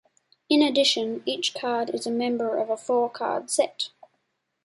In addition, each card is a member of a four-card set.